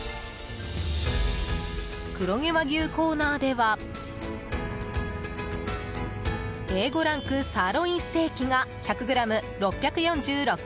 黒毛和牛コーナーではＡ５ランクサーロインステーキが１００ｇ、６４６円。